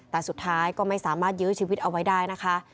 แต่สุดท้ายก็ไม่สามารถยื้อชีวิตเอาไว้ได้นะคะ